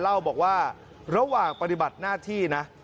เล่าบอกว่าระหว่างปฏิบัติหน้าที่นะ